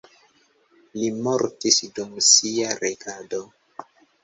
Li mortis dum sia regado.